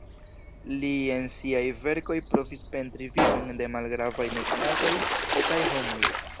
Li en siaj verkoj provis pentri vivon de malgravaj nekonataj "etaj" homoj.